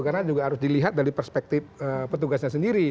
karena juga harus dilihat dari perspektif petugasnya sendiri